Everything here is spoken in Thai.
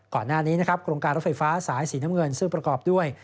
ก่อนหน้านี้นะครับโครงการรถไฟฟ้าสายสีน้ำเงินซึ่งประกอบด้วย